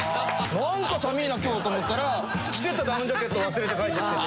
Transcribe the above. なんか寒いな今日と思ったら着てたダウンジャケット忘れて帰ってきたりとか。